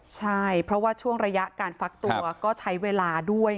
ใช่เพราะว่าช่วงระยะการฟักตัวก็ใช้เวลาด้วย